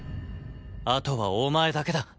あとはお前だけだ。